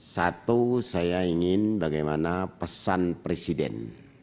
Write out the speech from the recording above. satu saya ingin bagaimana pesan presiden